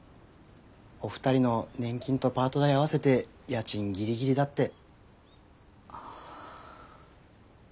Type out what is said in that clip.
お二人の年金とパート代合わせて家賃ギリギリだって。